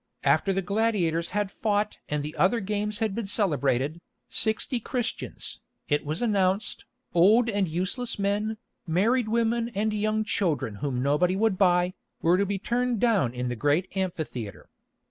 After the gladiators had fought and the other games had been celebrated, sixty Christians, it was announced, old and useless men, married women and young children whom nobody would buy, were to be turned down in the great amphitheatre.